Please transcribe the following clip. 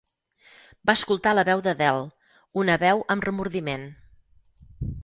Va escoltar la veu d'Adele... una veu amb remordiment.